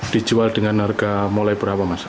dijual dengan harga mulai berapa mas